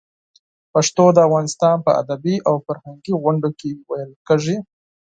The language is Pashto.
پښتو د افغانستان په ادبي او فرهنګي غونډو کې ویلې کېږي.